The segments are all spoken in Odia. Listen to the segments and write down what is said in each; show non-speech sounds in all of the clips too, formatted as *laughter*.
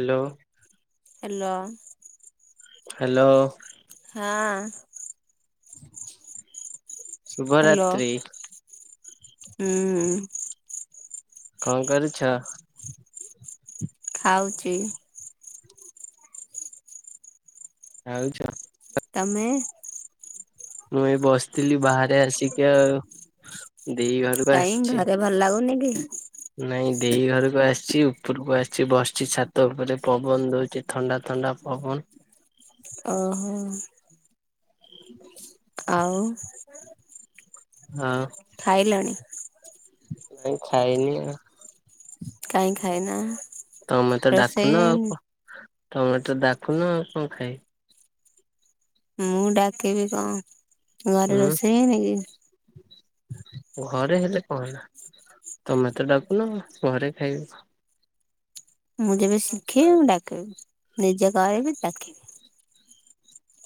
ହେଲୋ। ହେଲୋ। ହେଲୋ। ହଁ। *inaudible* ହେଲୋ ଶୁଭରାତ୍ରି *inaudible* ହୁଁ। କଣ କରୁଛ। ଖାଉଚି। ଖାଉଚ। *inaudible* ତମେ। ମୁଁ ଏଇ ବସିଥିଲି ବାହାରେ ଆସିକି ଆଉ, *inaudible* ଦେଇ ଘ। କାଇଁ, ଘରେ ଭଲ ଲାଗୁନି କି? ନାଇଁ, ଦେଇ ଘରକୁ ଆସିଛି, ଉପରକୁ ଆସିଛି, ବସିଛି ଛାତ ଉପରେ ପବନ ଦଉଚି। ଥଣ୍ଡା ଥଣ୍ଡା ପବନ। ଓହୋ। ଆଉ। ଆଉ ଖାଇଲଣି? ନାଇଁ ଖାଇନି ଆଉ କାଇଁ ଖାଇନ? ତମେତ ଡାକୁନ ଆଉ, *inaudible* ତମେତ ଡାକୁନ ଆଉ କଣ ଖାଇବି ମୁଁ ଡାକିବି କଣ? *inaudible* ଘରେ ହୁଁ ରୋଷେଇ ହେଇ ନି କି? *inaudible* ଘରେ ହେଲେ କଣ ହେଲା? *inaudible* ତମେ ତ ଡାକୁନ ଘରେ ଖାଇବ ମୁଁ ଯେବେ ଶିଖେଇବି ଡାକିବି *inaudible* ନିଜେ କରିବି ଡାକିବି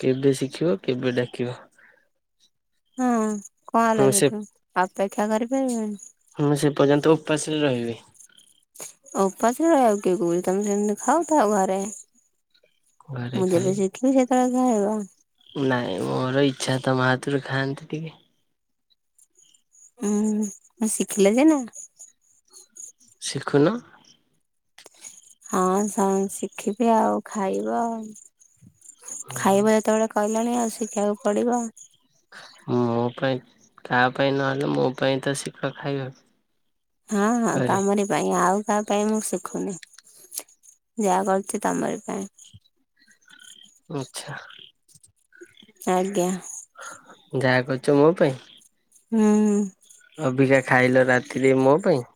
କେବେ ଶିଖିବ? କେବେ ଡାକିବ? ହଁ କଣ ହେଲା ମୁଁ ସେ ସେଠୁ ଅ, ପେକ୍ଷା କରିପାରିବନି? ମୁଁ ସେ ପର୍ଯ୍ୟନ୍ତ ଉପାସରେ ରହିବି ଉପାସରେ ରହିବାକୁ କିଏ କହିଛି? ତମେ ଜେମେତି ଖାଉ ଥାଅ ଘରେ ଘରେ ମୁଁ ଯେବେ ଖାଇବି। ଶିଖିବି ସେତେବେଳେ ଖାଇବ। ନାଇଁ ମୋର ଇଚ୍ଛା ତମ ହାତରୁ ଖାଆନ୍ତି ଟିକେ। ଉୁଁ ମୁ ଶିଖିଲେ ସି ନା। ଶିଖୁନ। ହଁ ସନ ଶିଖିବି ଆଉ ଖାଇବ ଆଉ ଖାଇବ ଯେତେବେଳେ କହିଲାଣି ଆଉ ଶିଖିବାକୁ ପଡିବ। ମୋ ପାଇଁ କାହା ପାଇଁ ନହେଲେ ମୋ ପାଇଁ ତ ଶିଖ ଖାଇବା। ହଁ ହଁ ଘରେ। ତମରି ପାଇଁ ଆଉ କାହା ପାଇଁ ମୁଁ ଶିଖୁନି, ଯାହା କରୁଛି ତମର ପାଇଁ। ମିଛ। ଆଜ୍ଞା। ଯାହା କରୁଛ ମୋ ପାଇଁ? ହୁଁ। ଅବିକା ଖାଇଲ ରାତିରେ ମୋ ପାଇଁ?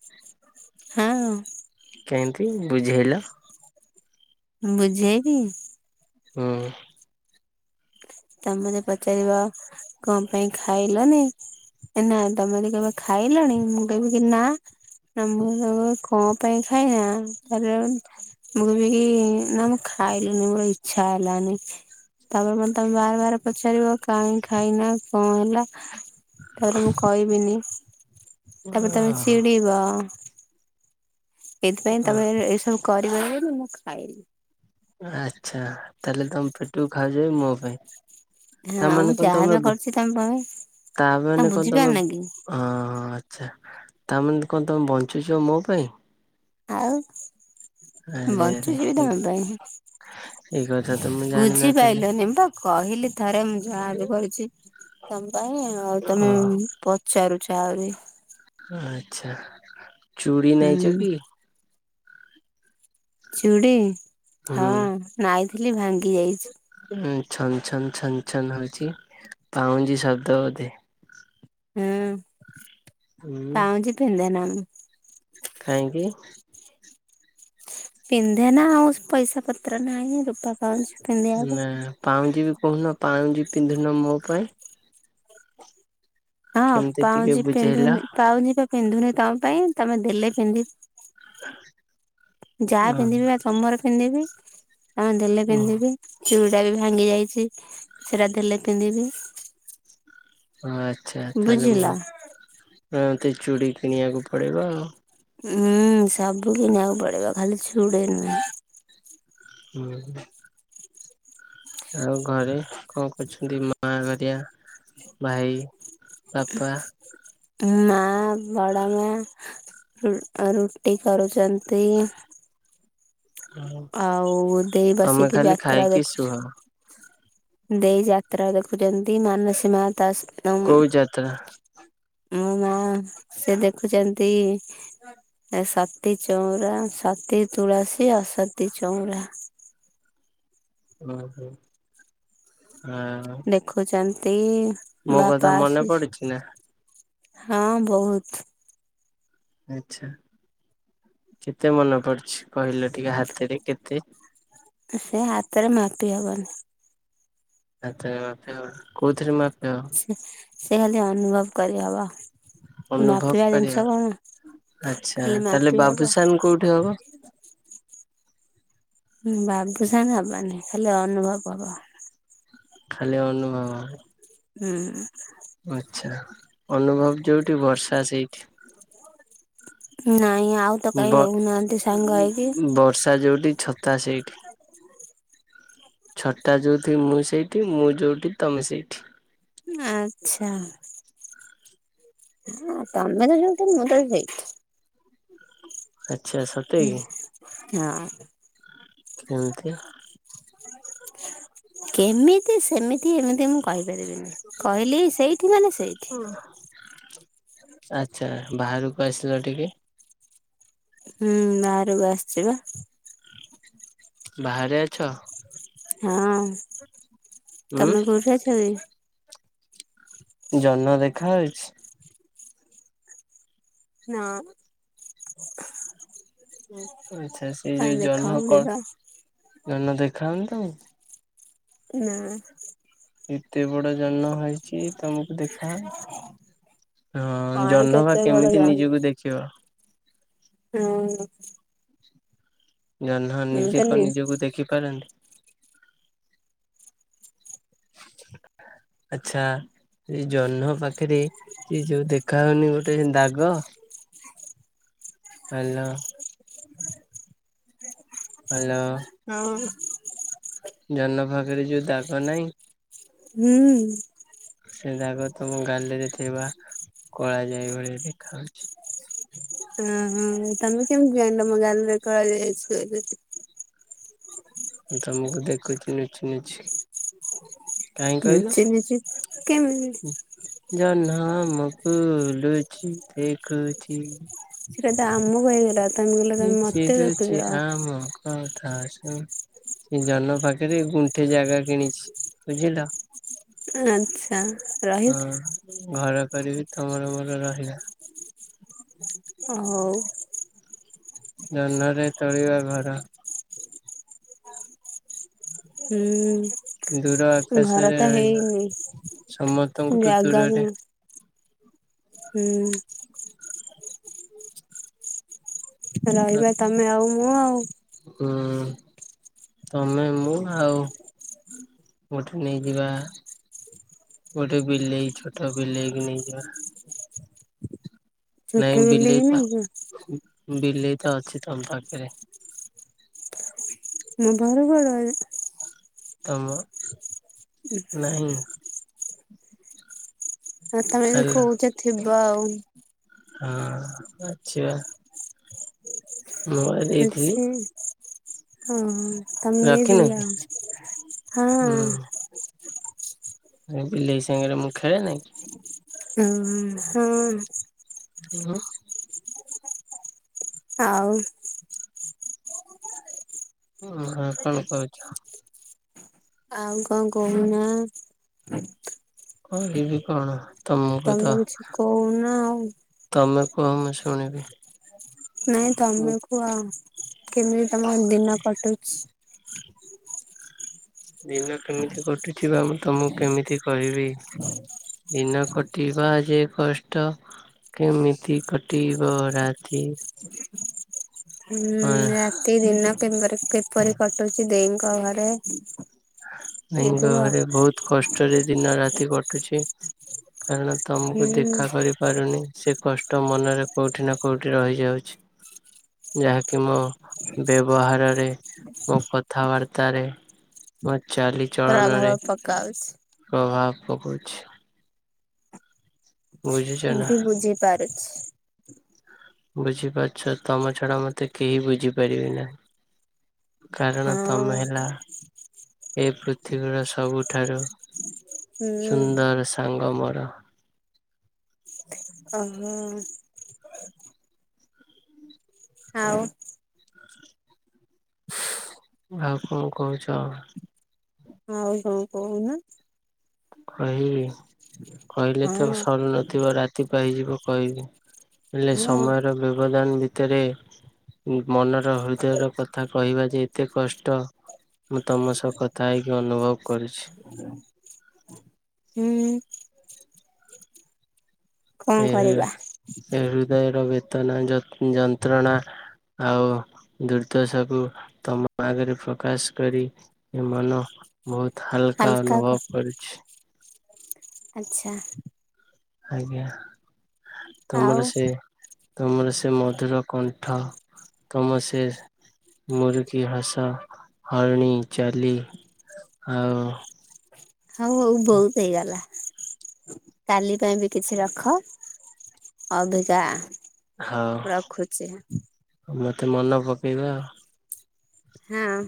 ହଁ। କେମିତି ବୁଝେଇଲ? ବୁଝେଇବି। ହୁଁ। ତମେ ମତେ ପଚାରିବ କଣ ପାଇଁ ଖାଇଲନି? ଏ ନା ତମେ ଯଦି କହିବ ଖାଇଲଣି ମୁଁ କହିବି କି ନା ଆ ମୁଁ ତମ କଣ ପାଇଁ ଖାଇବା ତାଲେ ମୁଁ ବିକି ନା ମୁଁ ଖାଇଲିନି ମୋର ଇଛା ହେଲାନି ତାପରେ ମାନେ ତମେ ବାର ବାର ପଚାରିବ କାହିଁ ଖାଇନା କଣ ହେଲା? ତାରେ ମୁଁ କହିବିନି, ତାପରେ ତମେ ଚିଡିବ। ଏଥିପାଇଁ ତମେ ଏସବୁ କରିବନି ବୋଲି ମୁଁ ଖାଇନି ଆଚ୍ଛା! ତା ହେଲେ ତମ ପେଟକୁ ଖାଉଛ ମୋ ପାଇଁ ତା ହଁ ମାନେ ମୁଁ କଣ ତମେ ଯାହାବି କରୁଛି ତମ ପାଇଁ ତା ନା ମାନେ କଣ ତମେ ହଁ ବୁଝିପାରୁନ କି ହଁ ଆଚ୍ଛା! ତା ମାନେ କଣ ତମେ ବଞ୍ଚୁଛ ମୋ ପାଇଁ? ଆଉ ଆରେ ଆରେ ବଞ୍ଚୁଛି ବି ତମ ଏଇ କଥା ପାଇଁ ତ ମୁଁ ଜାଣିନଥିଲି ବୁଝିପାଇଲନି ପା କହିଲି ଥରେ ମୁଁ ଯାହା ବି କରୁଛି ତମ ପାଇଁ ଆଉ ଓହୋ ତମେ ପଚାରୁଛ ଆହୁରି ଆଚ୍ଛା ଚୁଡ଼ି ହୁଁ ନାଇଛ କି? ଚୁଡ଼ି ହଁ ହୁଁ ନାଇଥିଲି ଭାଙ୍ଗି ଯାଇଛି। ଉଁ ଛନ ଛନ ଛନ ଛନ ହଉଛି ପାଉଁଜି ଶବ୍ଦ ବୋଧେ ହୁଁ ହୁଁ ପାଉଁଜି ପିନ୍ଧେନା ମୁଁ କାହିଁକି? ପିନ୍ଧେନା ଆଉ ପଇସା ପତ୍ର ନାହିଁ ରୂପା ପାଉଁଜି ପିନ୍ଧିବାକୁ ନା ପାଉଁଜି ବି କହୁନ ପାଉଁଜି ପିନ୍ଧୁନ ମୋ ପାଇଁ। ହଁ କେମିତି ଟିକେ ପାଉଁଜି ବୁଝେଇଲ ପିନ୍ଧୁନି ପାଉଁଜି ବା ପିନ୍ଧୁନି ତମ ପାଇଁ ତମେ ଦେଲେ ପିନ୍ଧି ଯାହା ପିନ୍ଧିବି ଓ ବା ତମର ପିନ୍ଧିବି ହଁ ଦେଲେ ପିନ୍ଧିବି ଚୁଡ଼ିଟା ବି ଭାଙ୍ଗି ଯାଇଛି ସେଟା ଦେଲେ ପିନ୍ଧିବି। ଆଚ୍ଛା ଆଛା ତାହେଲେ ବୁଝିଲ। ମୁଁ ଚୁଡ଼ି କିଣିବାକୁ ପଡିବ ଆଉ ହୁଁ ସବୁ କିଣିବାକୁ ପଡିବ ଖାଲି ଚୁଡ଼ି ନୁହେଁ। *unintelligible* ଆଉ ଘରେ କଣ କରୁଛନ୍ତି ମା ଘରିଆ? ଭାଇ ବାପା ମା ବଡମା ରୁ ରୁଟି କରୁଚନ୍ତି। ଆଉ ଦେଇ ତମେ ବସିକି ଖାଲି ଯାତ୍ରା ଖାଇକି ଦେଖୁଛୁ। ଶୁଅ ଦେଇ ଯାତ୍ରା ଦେଖୁଛନ୍ତି ମାନସୀ ମା ତା ସ ତ କୋଉ ଯାତ୍ରା? ମୋ ମା ସେ ଦେଖୁଚନ୍ତି ଏ ସତୀ ଚଉରା ସତୀ ତୁଳସୀ ଆଉ ସତୀ ଚଉରା। ଓହୋ ହଁ। ଦେଖୁଚନ୍ତି ମୋ କଥା ବାପା ମନେ ଆସିଛ ପଡୁଛି ନା ହଁ ବହୁତ୍। ଆଚ୍ଛା କେତେ ମନେ ପଡୁଛି କହିଲ ଟିକେ ହାତରେ କେତେ? ଏ ସେେ ହାତରେ ମାପି ହବନି। ହାତରେ ମାପିଅ କୋଉଥିରେ ମାପିଅ? ସେ ଖାଲି ଅନୁଭବ କରିହବ। ଅନୁଭବ ମାପିବା କରିବ ଜିନିଷ କଣ ଆଚ୍ଛା ଖାଲି ତାହେଲେ ମାପି ହବ। ବାବୁସାନ କୋଉଠି ହବ? ହୁଁ ବାବୁସାନ୍ ହବନି ଖାଲି ଅନୁଭବ ହବ। ଖାଲି ଅନୁଭବ। ହୁଁ। ଆଚ୍ଛା ଅନୁଭବ ଯୋଉଠି ବର୍ଷା ସେଇଠି। ନାଇଁ ଆଉ ତ କାହିଁ ବ ରହୁନାହାନ୍ତି ସାଙ୍ଗ ହେଇକି ବର୍ଷା ଯୋଉଠି ଛତା ସେଇ ଛତା ଯୋଉଠି ମୁଁ ସେଇଠି ମୁଁ ଯୋଉଠି ତମେ ସେଇଠି। ଆଚ୍ଛା ତମେ ତ ଯୋଉଠି ମୁଁ ତ ସେଇଠି। ଆଚ୍ଛା ସତେ ଗି? ହଁ। କେମିତି? କେମିତି ସେମିତି ଏମିତି ମୁଁ କହିପାରିବିନି କହିଲି ସେଇଠି ମାନେ ସେଇ *unintelligible* ଆଚ୍ଛା ବାହାରକୁ ଆସିଲ ଟିକେ। ହୁଁ ବାହାରକୁ ଆସ୍ଚି ପା। ବାହାରେ ଅଛ? ହଁ ଉଁ ତମେ କୋଉଠି ଅଛ କି? ଜହ୍ନ ଦେଖା ହଉଚି? ନା। ଆଚ୍ଛା ସେଇ ଯୋ କାଇଁ ଦେଖା ଜହ୍ନ ହଉନି କଂ ତ ଜହ୍ନ ଦେଖାଉନି ତମକୁ? ନା। ଏତେ ବଡ ଜହ୍ନ ହେଇ ଛି ତମକୁ ଦେଖା ହଁ କାଇଁ ଜହ୍ନ ବା କେତେ କୁଆଡେ କେମିତି ନିଜକୁ ଦେଖିବ। ହୁଁ। ଜହ୍ନ ମୁଁ ନିଜେ ତ କଂ ନିଜକୁ ଦେଖିପାରନ୍ତି। ଆଚ୍ଛା। ଏଇ ଜହ୍ନ ପାଖରେ ସେ ଯୋ ଦେଖା ହଉନି ଗୋଟେ ଦାଗ ହେଲ। ହେଲୋ। ହଉ। ଜହ୍ନଭାଗରେ ଯୋଉ ଦାଗ ନାହିଁ। ହୁଁ। ସେ ଦାଗ ତମ ଗାଲିରେ ଥିବା କଳା ଯାଇ ଭଳିଆ ଦେଖା ଯାଉଛି। ହୁଁ ହୁଁ। ତମେ କେମିତି ଯାଇଲ ମୋ ଗାଲି ରେ କଳାଜାଇ ଅଛି ବୋଲି ତମକୁ ଦେଖୁଛି ନୁଚି ନୁଚି। *unintelligible* କାହିଁ କହିଲ? ନୁଚି ନୁଚି କେମିତି ଜହ୍ମ ଆମକୁ ଲୁଚି ଦେଖୁଛି। ସେଟା ଆମକୁ ହେଇଗଲା ତମେ କହିଲ ତମେ ମତେ ଦେଖୁଛ। ହଁ। ହଉ ଥା ମି। ସେ ଜହ୍ନ ପାଖରେ ଗୁଣ୍ଠେ ଜାଗା କିଣିଛି ବୁଝିଲ ଆଚ୍ଛା ରହିବି ହଁ। ଘର କରିବି ତମର ମୋର ରହିବା। ହଉ। ଜହ୍ନରେ ତେଳିବା ଘର। ଦୂର ହୁଁ। ଘର ଆକାଶରେ ତ ରହିବା ହେଇନି ସମସ୍ତଙ୍କଠୁ ଜାଗାକୁ ଦୂରରେ। ହୁଁ। ହୁଁ *unintelligible* ରହିବା ତମେ ଆଉ ମୁଁ ଆଉ ହୁଁ ତମେ ମୁଁ ଆଉ ମୋଠୁ ନେଇଯିବା। ଗୋଟେ ବିଲେଇ ଛୋଟ ବିଲେଇ ନେଇଯିବା। ଛୋଟ ନାଇଁ ବିଲେଇ କି ତ ନେଇକି ବିଲେଇ ତ ଅଛି ତମ ପାଖରେ ହଁ ବର ଗଡ଼ *unintelligible* ତମ। ହୁଁ। ନାହିଁ। ତମେ ଯଦି ହେଲା କହୁଛ ଥିବ ଆଉ ହଁ ଅଛି ବା। ମୁଁ ବା ଦେଇଥିଲି ଆଛି ହିଁ ହିଁ। ତମେ ରଖିନ କି? ଦେଇ ଦେଲା ହଁ। ହୁଁ ବିଲେଇ ସାଙ୍ଗରେ ମୁଁ ଖେଳେ ନି। ହଁ ହଁ। ହଁ। ଆଉ। ହଁ କଣ କରୁଛ? ଆଉ କଣକହୁନା? କହି ବି କଣ ତମକୁ ତମେ ତ କିଛି କହୁନା ଆଉ ତମେ କୁହ ମୁଁ ଶୁଣିବି ନାଇଁ ମୁଁ ତମ କୁହ କେମିତି ତମ ଦିନ କଟୁଛି। *unintelligible* ଦିନ କେମିତି କଟୁଚି ବା ମୁ ତମକୁ କେମିତି କହିବି? ଦିନ କଟିବା ଯେ କଷ୍ଟ। କେମିତି କଟିବ ରାତି। ହୁଁ ହଁ ରାତି ଦିନ କିମ୍ବରି କିପରି କଟୁଚି ଦେଇଙ୍କ ଘରେ। ଟିକେ ଦେଇଙ୍କ କୁହ ଘରେ ବୋହୁତ କଷ୍ଟରେ ଦିନ ରାତି କଟୁଚି। କାରଣ ତୁମକୁ ହୁଁ ଦେଖା କରିପାରୁନି ସେ କଷ୍ଟ ମନରେ କୋଉଠି ନା କୋଉଠି ରହିଯାଉଚି। ଯାହାକି ମୋ ବ୍ୟବହାରରେ ମୋ କଥାବାର୍ତ୍ତାରେ *unintelligible* ପ୍ରଭାବ ପକାଉଚି। ପ୍ରଭାବ ପକଉଛି। ବୁଝୁଛ ମୁଁ ନା ବି ବୁଝି ପାରେ। ବୁଝିପାରୁଚ ତମ ଛଡା ମତେ କେହି ବୁଝିପାରିଵେ ନାହିଁ। କାରଣ ତମେ ହଁ ହେଲା ଏ ପୃଥିବୀର ସବୁଠାରୁ ହୁଁ ସୁନ୍ଦର ସାଙ୍ଗମୋର। ଅ ହ ଆଉ *inaudible* ଆଉ କଂ କହୁଚ। ହଉ ହଉ କହୁନା? କହିବି କହିଲେ ତ ହଁ ସରୁ ନଥିବ ରା ତି ପାଇଯିବ କହିବି ହେଲେ ହଁ ସମୟର ବ୍ୟବଧାନ ଭି ଭିତରେ ମନର ହୃଦୟର କଥା କହିବା ଯେ ଏତେ କଷ୍ଟ। ମୁଁ ତମ ସହ କଥା ହେଇକି ଅନୁଭବ କରୁଚି। ହୁଁ କଣ ଏହେ କରିବା ଏଇ ହୃଦୟର ବେଦନା ଯ ଯନ୍ତ୍ରଣା ଆଉ ଦୁର୍ଦ୍ଦଶାକୁ ତମ ପାଖରେ ପ୍ରକାଶ କରି ଏ ମନ ବୋହୁତ ହାଲକା ଅନୁଭବ କରୁଛି। ଆଚ୍ଛା। ଆଜ୍ଞା, ଆଉ ତମର ସେ ତମର ସେ ମଧୁର କଣ୍ଠ। ତମ ସେ ମୁରୁକି ହସ ହରିଣୀ ଚାଲି ଆଉ ହୋଉ ହୋଉ ବୋହୁତ ହେଇଗଲା। କାଲି ପାଇଁ ବି କିଛି ରଖ। ଅବିକା ରଖୁଛି ହଉ ମତେ ମନ ପକେଇବ ଆଉ। ହଁ।